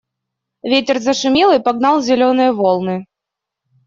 Ветер зашумел и погнал зеленые волны.